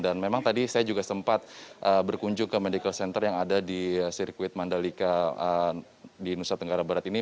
dan memang tadi saya juga sempat berkunjung ke medical center yang ada di sirkuit mandalika di nusa tenggara barat ini